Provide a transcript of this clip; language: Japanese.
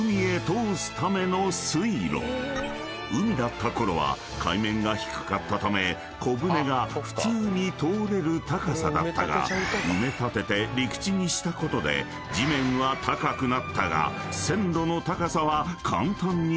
［海だったころは海面が低かったため小船が普通に通れる高さだったが埋め立てて陸地にしたことで地面は高くなったが線路の高さは簡単に変えられない］